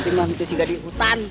lebih penting lah kita tidak di hutan